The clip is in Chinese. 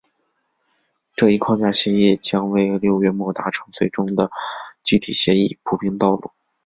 这一框架性协议将为六月末达成最终的具体协议铺平道路。